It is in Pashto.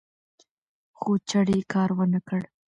خو چړې کار ونکړ